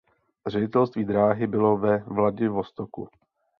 Ředitelství dráhy bylo ve Vladivostoku.